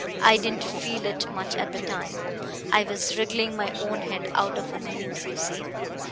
I didn't feel it much at the time. I was wriggling my own head out of a noose, you see.